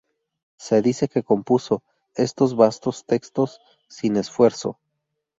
Se dice que compuso estos vastos textos sin esfuerzo.